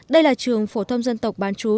đây là trường phổ thông dân tộc bán chú